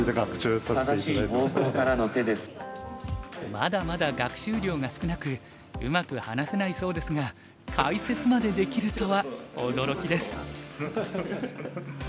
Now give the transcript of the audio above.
まだまだ学習量が少なくうまく話せないそうですが解説までできるとは驚きです。